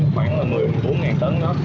khoảng là một mươi bốn tấn đó